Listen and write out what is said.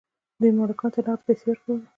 دوی مالکانو ته نغدې پیسې ورکولې.